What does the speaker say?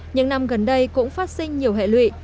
những năm gần đây cũng phát sinh nhiều hệ lụy